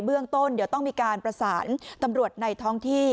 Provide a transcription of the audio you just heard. เบื้องต้นเดี๋ยวต้องมีการประสานตำรวจในท้องที่